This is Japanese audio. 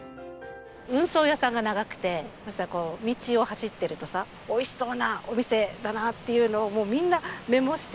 運送屋さんが長くてそしたらこう道を走ってるとさおいしそうなお店だなっていうのをもうみんなメモして。